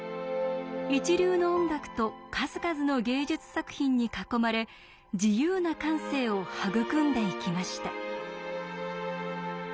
一流の音楽と数々の芸術作品に囲まれ自由な感性を育んでいきました。